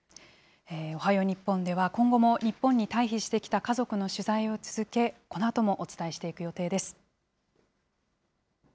おはよう日本では、今後も日本に退避してきた家族の取材を続け、このあともお伝えしていく予定です。